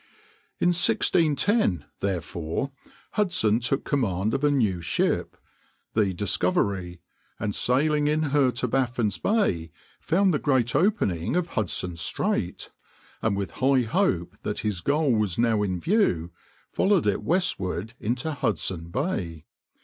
In 1610, therefore, Hudson took command of a new ship, the Discoverie, and sailing in her to Baffin's Bay, found the great opening of Hudson Strait, and with high hope that his goal was now in view followed it westward into Hudson Bay.